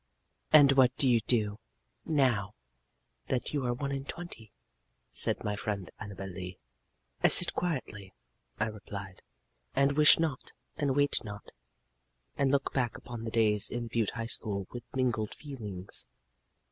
"And what do you, now that you are one and twenty?" said my friend Annabel Lee. "I sit quietly," I replied, "and wish not, and wait not and look back upon the days in the Butte High School with mingled feelings."